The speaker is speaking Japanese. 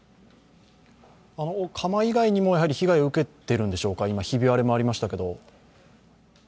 窯以外にも被害を受けてるんでしょうか、ひび割れもありましたけど。